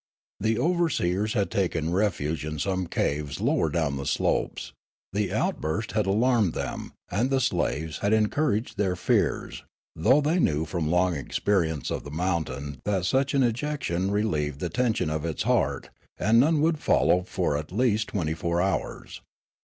The overseers had taken refuge in some caves lower down the slopes; the outburst had alarmed them, and the slaves had encouraged their fears, though they knew from long experience of the mountain that such an ejection relieved the tension of its heart, and none would follow for at least twenty four hours.